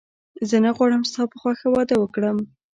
زه نه غواړم ستا په خوښه واده وکړم